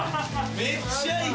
めっちゃいい！